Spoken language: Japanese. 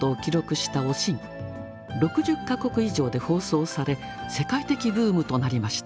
６０か国以上で放送され世界的ブームとなりました。